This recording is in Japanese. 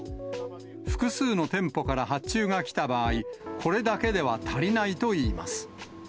複数の店舗から発注が来た場合、これだけでは足りないといいます。